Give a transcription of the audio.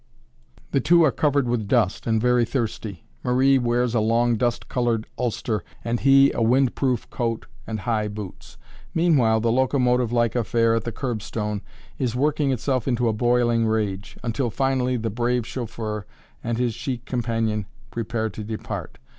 The two are covered with dust and very thirsty; Marie wears a long dust colored ulster, and he a wind proof coat and high boots. Meanwhile, the locomotive like affair at the curbstone is working itself into a boiling rage, until finally the brave chauffeur and his chic companion prepare to depart.